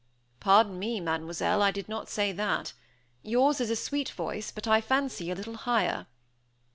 "Pardon me, Mademoiselle, I did not say that. Yours is a sweet voice, but I fancy a little higher."